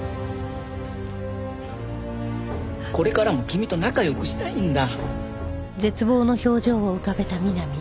これからも君と仲良くしたいんだ。